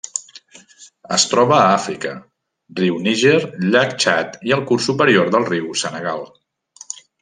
Es troba a Àfrica: riu Níger, llac Txad i el curs superior del riu Senegal.